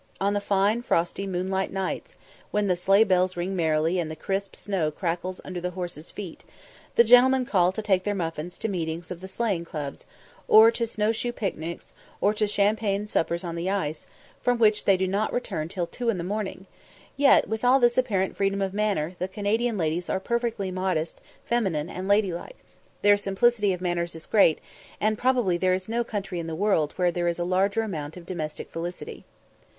On the fine, frosty, moonlight nights, when the sleigh bells ring merrily and the crisp snow crackles under the horse's feet, the gentlemen call to take their "muffins" to meetings of the sleighing clubs, or to snow shoe picnics, or to champagne suppers on the ice, from which they do not return till two in the morning; yet, with all this apparent freedom of manner, the Canadian ladies are perfectly modest, feminine, and ladylike; their simplicity of manners is great, and probably there is no country in the world where there is a larger amount of domestic felicity.